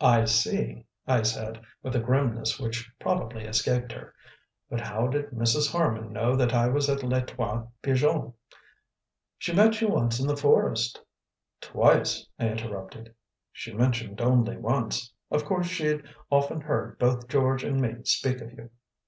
"I see," I said, with a grimness which probably escaped her. "But how did Mrs. Harman know that I was at Les Trois Pigeons?" "She met you once in the forest " "Twice," I interrupted. "She mentioned only once. Of course she'd often heard both George and me speak of you."